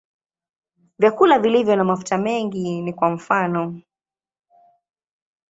Vyakula vilivyo na mafuta mengi ni kwa mfano.